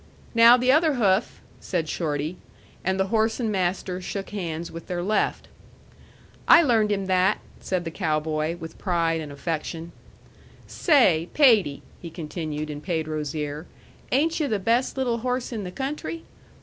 "Now the other hoof," said Shorty; and the horse and master shook hands with their left. "I learned him that," said the cow boy, with pride and affection. "Say, Pede," he continued, in Pedro's ear, "ain't yu' the best little horse in the country?